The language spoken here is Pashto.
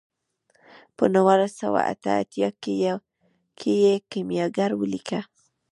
په نولس سوه اته اتیا کې یې کیمیاګر ولیکه.